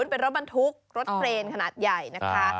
เป็นรถบรรทุกรถเครนขนาดใหญ่นะคะ